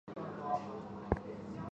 曾于汉和帝永元九年。